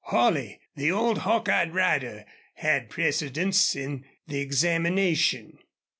Holley, the old hawk eyed rider, had precedence in the examination.